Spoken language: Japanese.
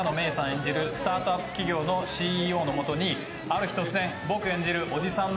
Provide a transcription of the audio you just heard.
演じるスタートアップ企業のＣＥＯのもとにある日突然、僕演じるオジさん